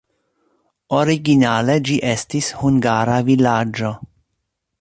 Originale ĝi estis hungara vilaĝo.